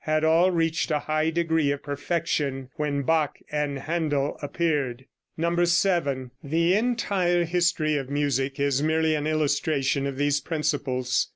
had all reached a high degree of perfection when Bach and Händel appeared. 7. The entire history of music is merely an illustration of these principles.